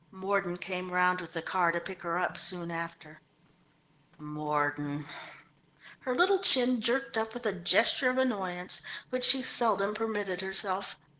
Mordon came round with the car to pick her up soon after. Mordon! Her little chin jerked up with a gesture of annoyance, which she seldom permitted herself.